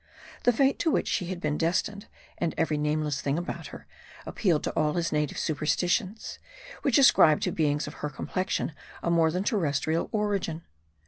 The fate to which she had been destined, and every nameless thing about her, ap pealed to all his native superstitions, which ascribed to beings of her complexion a more than terrestrial origin.